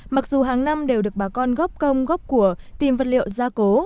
mặc dù hàng năm đều được bà con góp công góp của tìm vật liệu gia cố